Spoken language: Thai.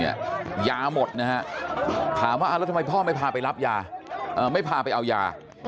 ยาหมดนะฮะถามว่าแล้วทำไมพ่อไม่พาไปรับยาไม่พาไปเอายา